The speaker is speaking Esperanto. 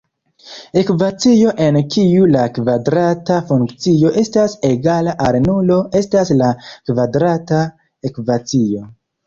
Ekvacio en kiu la kvadrata funkcio estas egala al nulo estas la kvadrata ekvacio.